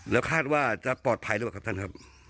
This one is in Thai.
แล้วคาดว่าจะปลอดภัยหรือเปล่าครับท่านครับ